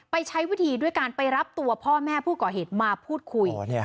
ใช้วิธีด้วยการไปรับตัวพ่อแม่ผู้ก่อเหตุมาพูดคุย